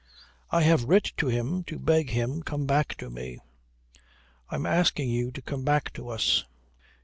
"I have writ to him to beg him come back to me." "I am asking you to come back to us."